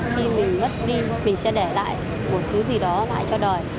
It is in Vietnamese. khi mình mất đi mình sẽ để lại một thứ gì đó lại cho đời